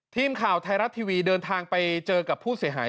ทีมข่าวไทยรัฐทีวีเดินทางไปเจอกับผู้เสียหาย